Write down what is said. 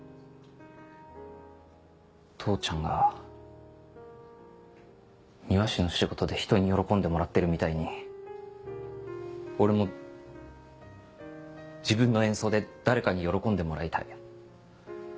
父ちゃんが庭師の仕事で人に喜んでもらってるみたいに俺も自分の演奏で誰かに喜んでもらいたい。